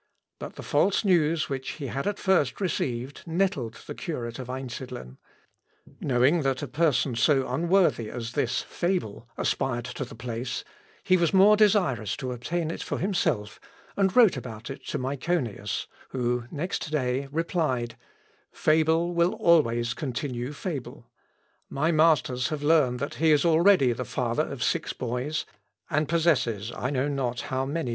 But the false news which he had at first received nettled the curate of Einsidlen. Knowing that a person so unworthy as this Fable aspired to the place, he was more desirous to obtain it for himself, and wrote about it to Myconius, who next day replied, "Fable will always continue fable: my masters have learned that he is already the father of six boys, and possesses I know not how many benefices."